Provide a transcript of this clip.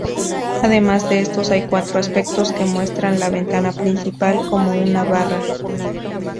Además de estos, hay cuatro aspectos que muestra la Ventana Principal como una barra.